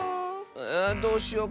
どうしよう。